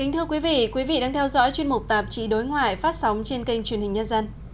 thưa quý vị quý vị đang theo dõi chuyên mục tạp chí đối ngoại phát sóng trên kênh truyền hình nhân dân